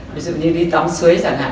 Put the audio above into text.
ví dụ như đi tắm suối chẳng hạn